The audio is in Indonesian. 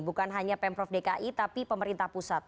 bukan hanya pemprov dki tapi pemerintah pusat